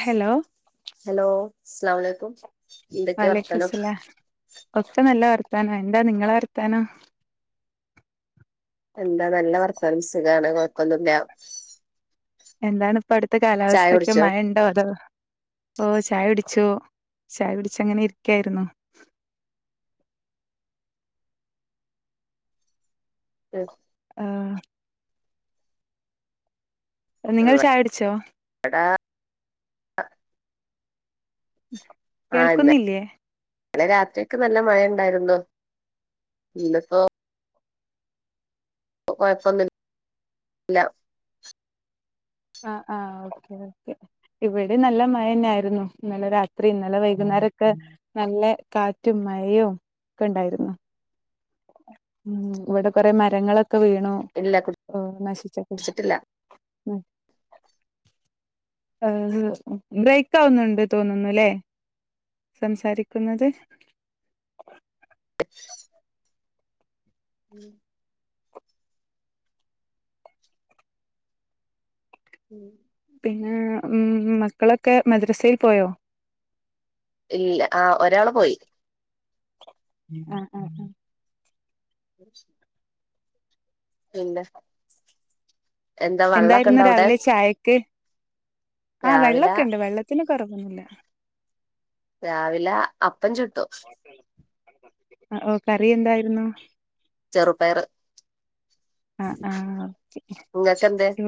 Hello hello അസ്ലാംലക്കും വാലേക്കസ്ലാം ഒക്കെ നല്ല വാർത്ത വത്താനോ എന്താ നിങ്ങളെ വർത്താനോ എന്താ നല്ല വർത്താനം സുഖാണ് കൊഴപ്പൊന്നുല്ല എന്താണ് ഇപ്പ അടുത്തെ ചായ കാലാവസ്ഥൊക്കെ കുടിച്ചോ മഴണ്ടോ അതോ ഓ ചായ പിടിച്ചോ ചായ കുടിച്ചു അങ്ങനെ ഇരിക്കായിരുന്നു ഉം ആഹ നിങ്ങൾ ചായ ട്ച്ചോ ഇവിടെ ആ കേൾക്കുന്നില്ലേ ഇന്നലെ രാത്രിക്കെ നല്ല മഴയ ഉണ്ടായിരുന്നോ ഇന്നിപ്പോ പ്പ കൊഴപ്പൊന്ന് ല്ല ആ ആഹ ഓക്കെ ഓക്കെ ഇവിടെ നല്ല മഴ തന്നെ ആയിരുന്നു ഇന്നലെ രാത്രി ഇന്നലെ വൈകുന്നേരൊക്കെ നല്ല കാറ്റും മഴയും ഒക്കെ ഉണ്ടായിരുന്നു ഉ ഇവിടെ കുറെ മരങ്ങളൊക് ഒക്കെ വീണോ ഇല്ല നശിച്ചക്കെ കുടിച്ചിട്ടില്ല ബ്രേക്ക് ആവുന്നുണ്ട് തോന്നുന്നുല്ലേ സംസാരിക്കുന്നത് [unintelligible] ഉം പിന്നെ ഉം മക്കളൊക്കെ മദ്രസയിൽ പോയോ ഇല്ല ആഹ ഒരാള് പോയി ആ ആആ ഉ ഇല്ല എന്തായിരുന്നു രാവിലെ ചായക്ക് ആ രാവിലെ വെള്ളൊക്കെ ഉണ്ട് വെള്ളത്തിന പറവുന്നില്ല രാവിലെ പ്പം ചത്തോ ആ ഓ കറി എന്തായിരുന്നു ചെറുപയറ് ആ ആഹ ഇ നിങ്ങൾക്ക് എന്ത് ക്ക്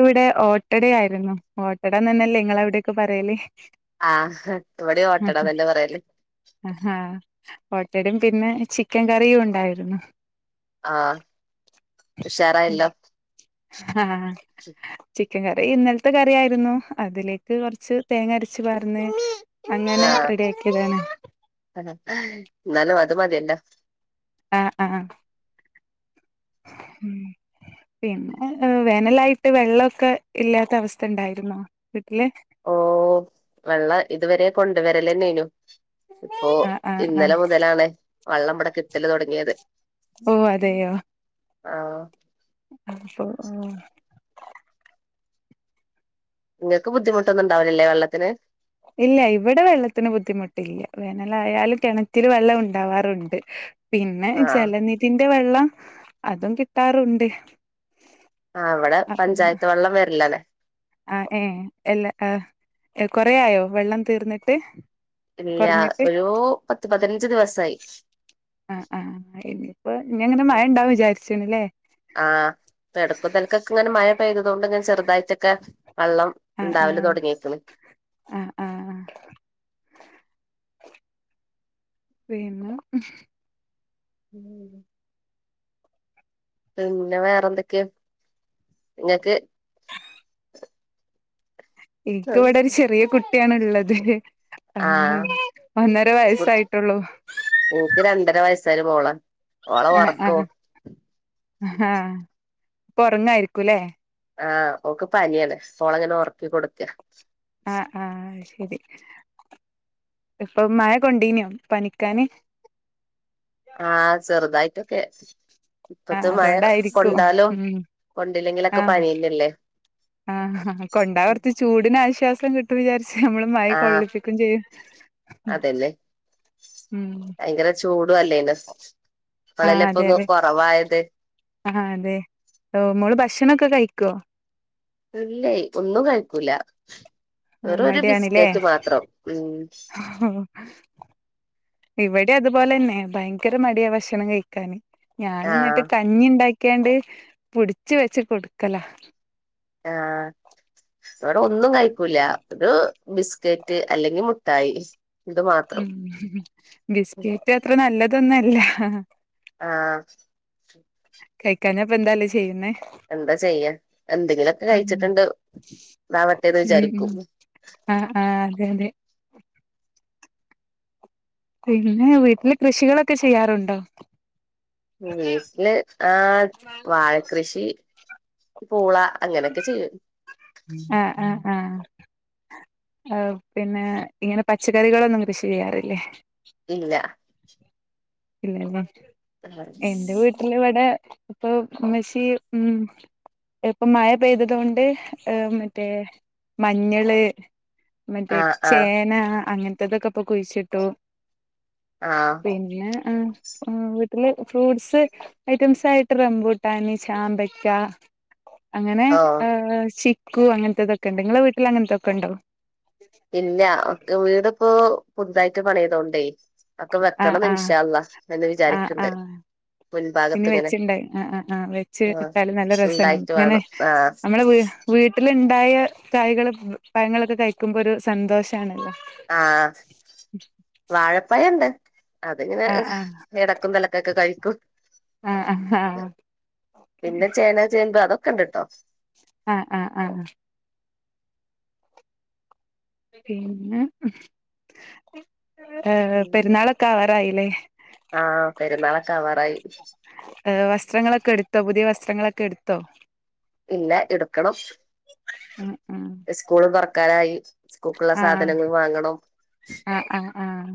ഇവിടെ ഓട്ടടയായിരുന്നു ഓട്ടടന്ന് തന്നെല്ലേ നിങ്ങ അവിടൊക്കെ പറയലേ ആഹ് ഇവിടെ ഓട്ടടാന്നന്നെ പറയല് ഓട്ടടീം പിന്നെ ചിക്കൻ കറിയും ഉണ്ടായിരുന്നു ആഹ് ഉഷാറായല്ലോ ആഹ് ചി [unintelligible] കറി ഇന്നലത്തെ കറിയായിരുന്നു അതിലേക്ക് കൊറച്ച് തേങ്ങ അരച്ചു പാറ്ന്ന് അങ്ങനെ ആ റെഡി ആക്കിയതാണ് എന്നാലും അത് മതിയല്ല ആ ആ ഉം പിന്നെ വേനലായിട്ട് വെള്ളൊക്കെ ഇല്ലാത്ത അവസ്ഥ ഇണ്ടായിരുന്നോ ഓ വെള്ള ഇതുവരെ കൊണ്ട് വരല്ലന്നേനു ഇപ്പോ ആ ആ ആ ഇന്നലെ മുതലാണേ- വള്ളം ബ്ടെ കിട്ടല് തൊടങ്ങിയത് ഉം അതെയോ ആഹ അശ്ശോ നിങ്ങൾക്ക് ബുദ്ധിമുട്ടൊന്നും ഉണ്ടാവില്ലല്ലേ വെള്ളത്തിന് ട്ടില്ല വേനലായാലും കെണറ്റില് വെള്ളം ഉണ്ടാവാറുണ്ട് പിന്നെ ആഹ് ജലനിധിന്റെ വെള്ളം അതും കിട്ടാറുണ്ട് ആ അവിടെ പഞ്ചായത്ത് വെള്ളം വര്ലാല്ലെ ആഹ് ഏഹ് എല്ലാ ഏർ കൊറയയോ വെള്ളം തീർന്നിട്ട്. ഇല്ല കുറഞ്ഞിട്ട് ഒരു പത്ത് പതിനഞ്ച് ദിവസായി ആ ആ ഇനിയിപ്പോ ഇനി എങ്ങനെ മഴ ഉം ഉണ്ടാവന്ന് വിചാരിച്ച [unintelligible] ആഹ് ഇപ്പൊ എടക്കും തലയ്ക്കുമൊക്കെ ഇങ്ങനെ മഴപെയ്തതു കൊണ്ട് ഇങ്ങനെ ചെറുതായിട്ട് ഒക്കെ. വെള്ളം ആ ആ ഉണ്ടാവല് തുടങ്ങിയേക്കണം. ആ ആ വേണോ ഉം പിന്നെ വേറെന്തൊക്കെയാ ഇങ്ങൾക്ക്. എനിക്ക് ഇവിടെ ഒരു ചെറിയ കുട്ടി ട്ട്യാണ് ഉള്ളത് ആഹ് ഒന്നര വയസായിട്ടുള്ളൂ. സരി മോളേ ഓള് ഉറക്കു. ഉറങ്ങായിരിക്കൂലേ ആഹ് ഓക്കു പനിയാണ്, മോള് ഇങ്ങനെ ഉറക്കി കൊടുക്കാ. ആഹ് ആഹ്. ഇത് ഇപ്പൊ മഴ കൊണ്ടീനോ പനിക്കാന്. ആ ചെറുതായിട്ട് [unintelligible] ആഹ് അതു കൊണ്ടായിരിക്കും ഉം കൊണ്ടില്ലെങ്കിലൊക്കെ ആഹ് പനിയന്നല്ലേ ആഹ് കൊണ്ടാ കുറച്ച് ചൂടന് ആശ്വാസം. ഇപ്പൊ കിട്ടു വിചാരി ഞമ്മള് മഴ ആഹ് കൊള്ളിപ്പിക്കും ചെയ്യും അതന്നെ ഉം ഇതുവല്ലേ [unintelligible] ഇവള് ആഹ് അല്ലെ അതെ ഇങ്ങ് അതെ കൊറവായത്. ആഹ് അതെ ഓഹ് മോള് ഭക്ഷണൊക്കെ കഴിക്കോ. അല്ലേ ഒന്നും കഴിക്കൂല്ല, വെറുമൊരു മടിയാണ്ല്ലേ ബിസ്ക്കറ്റ് മാത്രം ഉം. ഓഹ് ഇവിടെ അതുപോലെ തന്നെ ഭയങ്കര മടിയാ ഭക്ഷണം കഴിക്കാാന് ഞാൻ ആഹ് എന്നിട്ട് കഞ്ഞി ഉണ്ടാക്കി ക്കണ്ട് പുടിച്ച വെച്ച് കൊടുക്കൽ. ആഹ് ഇവിടെയൊന്ന്. ഒന്നും കഴിക്കൂല ഒരു ബിസ്കറ്റ് അല്ലെങ്കിൽ മുട്ടായി ഇത് മാത്രം ഉം ബിസ്കിറ്റ് അത്ര നല്ലതു. അതൊന്നല്ല ആഹ് കഴിക്കാന് ഇപ്പൊ എന്താലേ ചെയ്യുന്നേ. എന്താ ചെയ്യാ എന്തെങ്കിലുമൊക്കെ ഉം കഴിച്ചിട്ടുണ്ട്താവട്ടെന്ന് വിചാരിക്കൂ തേഅതേ പിന്നെ വീട്ടില് കൃഷികളൊക്കെ ചെയ്യാറുണ്ടോ വീട്ടില് ആ വാഴ കൃഷി പൂള അങ്ങനെയൊക്കെ ചെയ്യും ആ ആ ആഹ ആ പിന്നെ ഇങ്ങനെ പച്ചക്കറികളൊന്നും കൃഷി ചെയ്യാറില്ലേ ഇല്ല ഇല്ലല്ലേ ആഹ് എന്റെ വീട്ടിൽ ഇവിടെ ഇപ്പൊ ഉമ്മശി ഉം ഇപ്പൊ മഴ പെയ്തത് കൊണ്ട് മറ്റേ മഞ്ഞള് മറ്റേ ആഹ് ചേന അങ്ങനെ ഇറ്റതൊക്കെപ്പൊ കുഴിച്ചിട്ടു ആഹ് പിന്നെ ആ ഒ വീട്ടില് ഫ്രൂട്ട്സ് ഐറ്റംസ് ആയിട്ട് റംബുട്ടാന് ചാമ്പക്ക അങ്ങനെ ഓ ആ ക്കു അങ്ങനത്തെതൊക്കെണ്ട് നിങ്ങള വീട്ടിൽ അങ്ങനത്തെക്കെ ഉണ്ടോ ഇല്ല ഒക്കെ വീട്പ്പോ പുതുതായിട്ട് പണിയതൊണ്ടേ ആ ആ ആ വിചാരിക്ക്ണ്ട് ആഹ് ഇനി മുൻഭാഗത്ത് ഇങ്ങനെ വെച്ച്ണ്ടായി ആ ആ് ആ് വെച്ച് ആഹ് ഇട്ടാലും നല്ല രസമാണ് ഉണ്ടായിട്ട് ഇങ്ങനെ വേണം ആഹ് നമ്മള വീ വീട്ടിലു ഉണ്ടായ കായകൾ പഴങ്ങളൊക്കെ കഴിക്കുമ്പോ ഒരു സന്തോഷാണല്ലോ ആ വാഴപ്പഴുണ്ട് അതിങ്ങനെ ആഹ് ആഹ് ഇടക്കും തിലക്കൊക്കെ കഴിക്കും ആഹ് ആഹ് പിന്നെ ചേന ചേമ്പാ അതൊക്ക കണ്ട്ട്ടോ ആ ആ ആ ആ പിന്നെ പെരുന്നാളൊക്കെ ആവാറായില്ലേ ആഹ് പെരുന്നാളൊക്കെ ആവാറായി വസ്ത്രങ്ങളൊക്കെ എടുത്തോ പുതിയ വസ് വസ്ത്രങ്ങളൊക്കെ എടുത്തോ ഇല്ല എടുക്കണം ഉം ഉം സ്കൂൾ തോറ ക്കാറായി സ്കൂക്കുള്ള ആഹ് സാധനങ്ങൾ വാങ്ങണം ആഹ് ആഹ് ആഹ്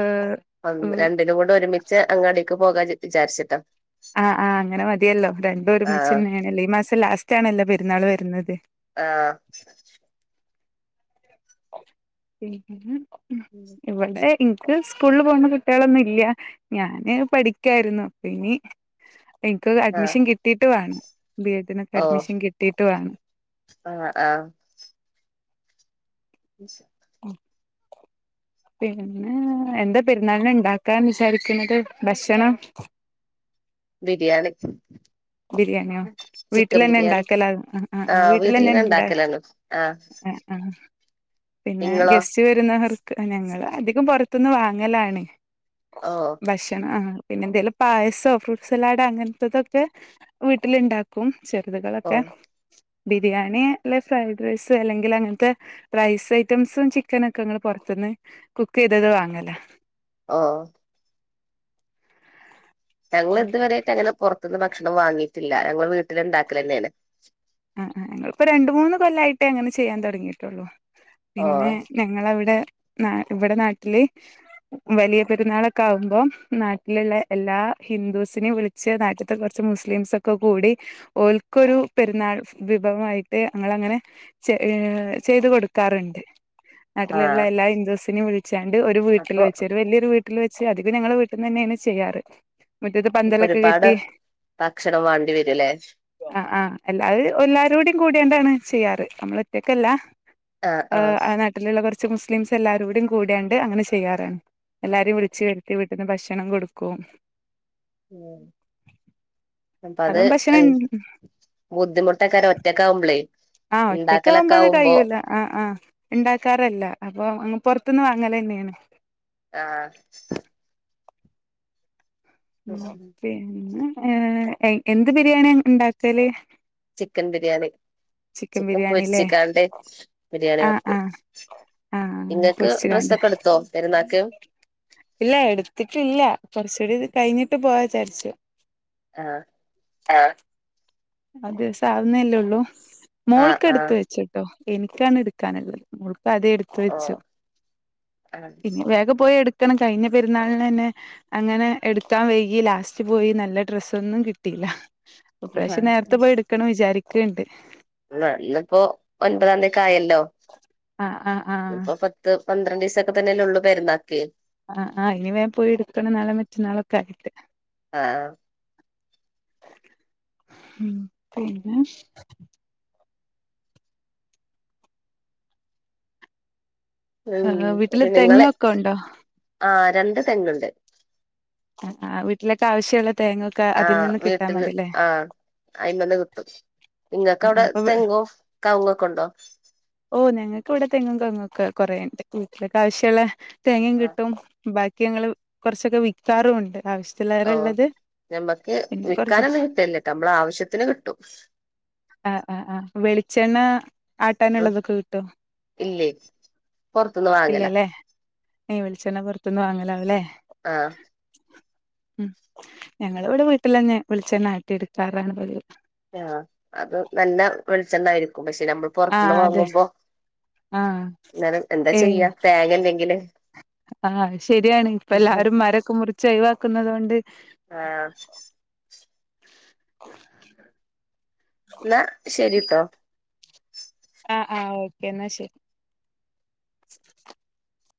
ഏഹ് ഉം രണ്ടിനും കൂട് ഒരുമിച്ച് അങ്ങടി ൻക്ക് പോകാ വി വിചാരിച്ചിട്ടാ ആഹ് ആഹ് അങ്ങനെ മതിയല്ലോ രണ്ടും ആഹ് ഒരുമിച്ചന്നെയണല്ലോ ഈ മാസം ലാസ്റ്റ് റ്റാണല്ലോ പെര്ന്നാൾ വരുന്നത് ആഹ ഉം ഉം ഇവിടെ ൻക്ക് സ്കൂളിൽ പോണ കുട്ടികളൊന്നും ഇല്ല ഞാന് പഠിക്കായിരുന്നു അപ്പൊ ഇനി ൻക്ക് ആഹ് അഡ്മിഷൻ കിട്ടീട്ട് വേണം ബി എഡ് നൊക്കെ ഓ അഡ്മിഷൻ കിട്ടിട്ട് വേണം ആഹ് നിരി [inaudible] പിന്നെ എന്താ പെരുന്നാളിന് ഉണ്ടാക്കാന് വിചാരിക്കുന്നത് ഭക്ഷണം ബിരിയാണി ബിരിയാണിയോ ചിക്കൻ ബിരിയാണി വീട്ടിൽന്നെണ്ടാക്കല ആ് ആ് ആഹ് വീട്ടിലന്നെ വീട്ടിൽന്നെണ്ട് ഉണ്ടാക്കലാണ് ആഹ് ആ ആ പിന്നെ നിങ്ങളോ ഗസ്റ്റ് വരുന്നവർക്ക് ഞങ്ങൾ അധികം പുറത്തൊന്ന് വാങ്ങലാണ് ഓ ഭക്ഷണ ആ പിന്നെ എന്തെലും പായസോ ഫ്രൂട്ട്സലാഡോ അങ്ങനത്തെതൊക്കെ വീട്ടിലുണ്ടാക്കും ചെർത്കൾ ഓ ഒക്കെ ബിരിയാണി അല്ലെ ഫ്രൈഡ് റൈസ് അല്ലെങ്കിൽ അങ്ങനത്തെ റൈസ് ഐറ്റംസും ചിക്കനും ഒക്കെ ങ്ങൾ പൊറത്തന്ന് കുക്ക് ചെയ്തത് വാങ്ങല ആ ഞങ്ങൾ ഇതുവരായിട്ട് അങ്ങനെ പൊറത്തുന്ന് ഭക്ഷണം വാങ്ങിട്ട് ല്ല ഞങ്ങൾ വീട്ടിൽ ഇണ്ടാക്കലന്നേണ് ആഹ് ഞങ്ങൾപ്പോ രണ്ട് മൂന്ന് കൊല്ലായിട്ടേ അങ്ങനെ ചെയ്യാൻ തുടങ്ങിട്ടുള്ളു ഓ പിന്നെ ഞങ്ങളവിടെ ന ഇവിടെ നാട്ടില് വലിയ പെരുന്നാളൊക്കെ ആകുമ്പോ നാട്ടിലുള്ള എല്ലാ ഹിന്ദൂസിനെയും വിളിച്ച് നാട്ടത്തെ കുറച്ച് മുസ്ലിംസൊക്കെ കൂടി ഓൽക്കൊരു പെരുന്നാൾ വിഭവമായിട്ട് ങ്ങൾ അങ്ങനെ ഏ ചെയ്ത് കൊടുക്കാറുണ്ട് നാട്ടിലുള്ള ആഹ് എല്ലാ ഹിന്ദുസിനും വിളിച്ചാണ്ട് ഒരു വീട്ടിൽ അപ്പൊ വെച്ച് ഒരു വല്യയൊരു വീട്ടിൽ വെച്ച പക്ഷെ അധികം ഞങ്ങളെ വീട്ടന്നെയാണ് ചെയ്യാറ് മുറ്റത്ത് ഇപ്പൊ പന്തലൊക്കെ ഒരുപാട് കിട്ടി ഭക്ഷണം വേണ്ടി വരൂല്ലേ ആ ആഹ അല്ലാത എല്ലാരോടയും കൂടിയണ്ടാണ് ചെയ്യാറ് നമ്മള എറ്റയക്കല്ല ആഹ് ആ് ആഹ് ആ നാട്ടിലുള്ള കുറച്ച് ച്ച് മുസ്ലിംസ് എല്ലാരുംകൂടി കൂടിയാണ്ട് അങ്ങനെ ചെയ്യാറാണ് എല്ലാരും വിളിച്ചുവരുത്തി വീട്ടന്ന് ഭക്ഷണം കൊടുക്കും ഉ അപ്പ അത് അതും എ ഭക്ഷണം ബുദ്ധിമുട്ട് ഒറ്റക്കാര ഒറ്റക്കാവുമ്പളേ ആഹ ഇണ്ടാക്കലൊക്കെ ഒറ്റക്കാവുമ്പോ അത് ആവുമ്പോ കഴൂല്ല ആഹ് ആഹ് ഉണ്ടാക്കാറല്ല അപ്പൊ അങ്ങ് പൊറത്തുന്ന് വാങ്ങലന്നെയാണ് ആഹ് ങ്ങ പിന്നെ ഏ എന്ത് ബിരിയാണി ണ്ടാക്കല് ചിക്കൻ ബിരിയാണി ചിക്കൻ ബിരിയാണില്ലേ പൊരിച്ച്ക്കാണ്ട് ബിരിയാണി ആ ആ വെക്കും ആ നിങ്ങൾക്ക് ഡ്രെസ്സ് പൊരിച്ച്കാണ്ട് ഒക്കെ എടുത്തോ പെരുന്നാ ക്ക് ഇല്ല എടുത്തിട്ടില്ല കുറച്ചുകൂടിയൊക്കെ കഴിഞ്ഞിട്ട് പോവാ വിചാരിച്ചു ആഹ് ആഹ് ആ ദിവസം ആവുന്നല്ലേ ഉള്ളൂ ആഹ് മോൾക്ക് എടുത്ത് ആഹ് വെച്ച്ട്ടോ എനിക്കാണ് എടുക്കാനുള്ളത് പ്പ ആദ്യെ എടുത്തു ഓ വെച്ചു ആഹ് പിന്നെ വേഗം പോയി എട് ക്കണം കഴിഞ്ഞ പെരുന്നാളിനന്നെ അങ്ങനെ എടുക്കാൻ വൈകി ലാസ്റ്റ് പോയി നല്ല ഡ്രസ്സൊന്നും കിട്ടിയില്ല ഈ പ്രാവശ്യം [unintelligible] നേരത്തെ പോയി ട്ക്കണം വിചാരി- ക്കെ ണ്ട് ന്നൊ ന്ന്പ്പോ ഒൻപതാംതിയൊക്കെ ആയ ആഹ് ആഹ് ആഹ് ഇപ്പൊ പത്ത് - [unintelligible] പന്ത്രണ്ട് ദിവസൊക്കെ തന്നെ ല്ലെ ഒള്ളു പെരുന്നാക്ക് ആഹ് ആഹ് ഇനി വേൻ പോയി എടുക്കണ നളെ മറ്റന്നാളൊക്കെ ആയിട്ട് ആ ആഹ് മ് പിന്നെ -? ഏഹ് വീട്ടില് ഉം നിങ്ങളെ തെങ്ങൊക്കെ ഉണ്ടോ ആ രണ്ട് തെങ്ങുണ്ട് ആ വീട്ടിലൊക്കെവശ്യമുള്ള ആ വീട്ടില് ആ അയിമന്ന് കിട്ടും ഇങ്ങക്ക് ആഹ് ആഹ് അവിടെ അപ്പൊ തെങ്ങോ കവങ്ങോ ഒക്കെ ണ്ടോ ഓ ഞങ്ങൾക്ക് ഇവിടെ തെങ്ങും കവുങ്ങും ഒക്കെ കൊറേണ്ട് വീട്ടിലൊക്ക് ആവശ്യമുള്ള തേങ്ങയും കിട്ടും ബാക്കി ബക്കി ഞങ്ങള് കൊറച്ചൊക്കെ വിൽക്കാറുമുണ്ട് ഓ നമ്മക്ക് പിന്നെ കൊറച്ച് വിക്കാനൊന്നും കിട്ടല്ലട്ടോ നമ്മള ആവശ്യത്തിന് കിട്ടും [inaudible] ആഹ ആ് ആ വെളിച്ചെണ്ണ ആട്ടാനുള്ളതൊക്കെ കിട്ടോ ഇല്ലേ പുറത്തുന്ന് വാങ്ങല ഇല്ലല്ലെ യ് വിളിച്ചെണ്ണ പുറത്തൊന്ന് വാങ്ങലാവുല്ലേ ആഹ് ഉം ഞങ്ങള് ഇവിടെ വീട്ടില് വെളിച്ചെണ്ണ ആട്ടിയെടുക്കാറാണ് പതിവ്- ആഹ് അത് നല്ല വെളിച്ചെണ്ണായിരിക്കും. പക്ഷെ നമ്മൾ ആ പുറത്തുന്ന് അതെ വാങ്ങുമ്പോ ആ എന്നാലും എന്താ ഏ ചെയ്യാ തേങ്ങല്ലെങ്കില് ആ ശരിയാണ് ഇപ്പ എല്ലാരും മരൊക്കെ മുറിച്ച് അഴിവാക്കുന്നുന്നത് കൊണ്ട് ആഹ് ഉ എന്നാ ശരിട്ടോ ആ ആ ഓക്കേ എന്നാ ശരി